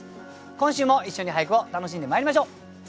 今週も一緒に俳句を楽しんでまいりましょう。